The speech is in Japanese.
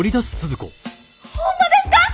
ホンマですか！？